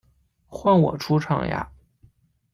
换我出场呀！